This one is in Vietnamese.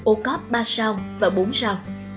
ô cóp ba sao và bốn sao